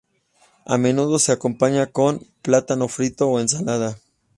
A menudo se acompaña con plátano frito o ensalada.